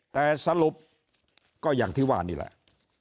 แต่สรุปก็อย่างที่ว่านี่แหละ